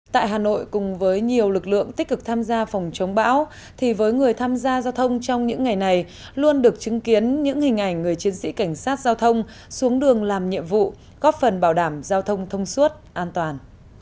tại hà nội cùng với nhiều lực lượng tích cực tham gia phòng chống bão thì với người tham gia giao thông trong những ngày này luôn được chứng kiến những hình ảnh người chiến sĩ cảnh sát giao thông xuống đường làm nhiệm vụ góp phần bảo đảm giao thông thông suốt an toàn